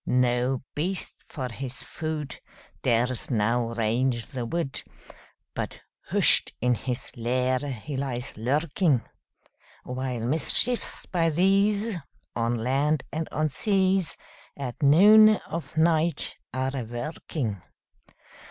No beast, for his food, Dares now range the wood, But hush'd in his lair he lies lurking; While mischiefs, by these, On land and on seas, At noon of night are a working.